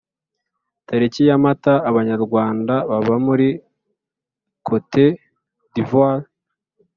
Tariki ya Mata Abanyarwanda baba muri cote d Ivoire